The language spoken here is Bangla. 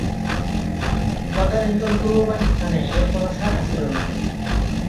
তদানীন্তন পূর্বপাকিস্তানে এর কোনো শাখা ছিল না।